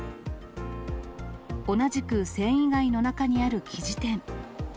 同じく繊維街の中にある生地店。